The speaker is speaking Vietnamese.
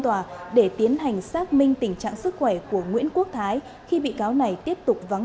tòa để tiến hành xác minh tình trạng sức khỏe của nguyễn quốc thái khi bị cáo này tiếp tục vắng